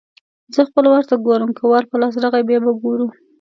زه خپل وار ته ګورم؛ که وار په لاس راغی - بیا به ګورو.